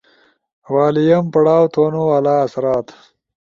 والئیم، پڑھاؤ تھونُو والا آثرات